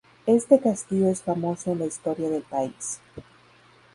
Este castillo es famoso en la historia del país.